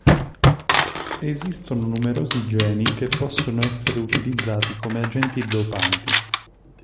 Esistono numerosi geni che possono essere utilizzati come agenti dopanti.